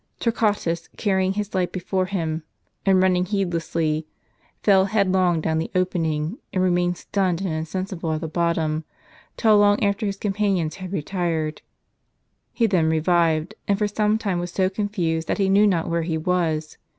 Torquatus, carrying his light before him, and running heedlessly, fell headlong down the opening, and reuiained stunned and insensible at the bottom, till long after his companions had retired. He then revived, and for some time was so confused that he knew not where he was.